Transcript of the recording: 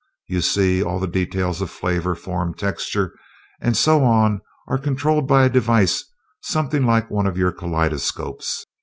You see, all the details of flavor, form, texture, and so on are controlled by a device something like one of your kaleidoscopes.